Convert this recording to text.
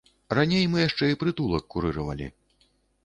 Раней мы яшчэ і прытулак курыравалі.